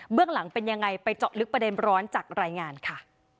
เรื่องหลังเป็นยังไงไปเจาะลึกประเด็นร้อนจากรายงานค่ะ